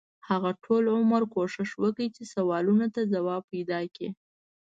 هغه ټول عمر کوښښ وکړ چې سوالونو ته ځواب پیدا کړي.